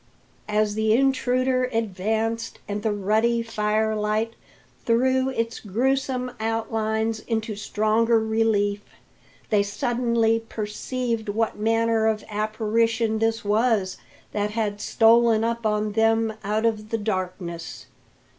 As the intruder advanced, and the ruddy firelight threw its gruesome outlines into stronger relief, they suddenly perceived what manner of apparition this was that had stolen up an them out of the darkness.